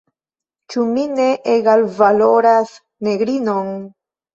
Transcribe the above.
Ĉu mi ne egalvaloras negrinon?